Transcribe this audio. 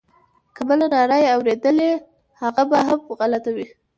که بله ناره یې اورېدلې هغه به هم غلطه وي.